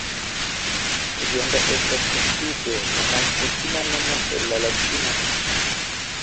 Legenda estas sendube la malkutima nomo en la latina.